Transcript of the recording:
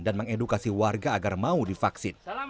dan mengedukasi warga agar mau divaksin